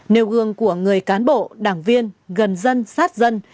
nêu gương của người cán bộ đảng viên gần dân sát dân